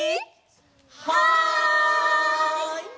はい！